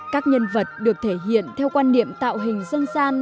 các nhân vật được thể hiện theo quan niệm tạo hình dân gian